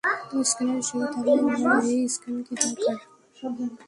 তুমি স্ক্যানার হিসেবে থাকলে এমআরআই স্ক্যান কী দরকার?